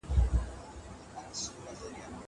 زه پرون سينه سپين کوم!!